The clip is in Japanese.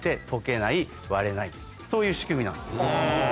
そういう仕組みなんです。